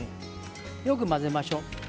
よく混ぜましょう。